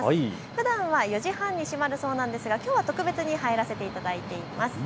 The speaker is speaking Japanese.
ふだんは４時半で閉まるそうですがきょうは特別に入らせていただいてます。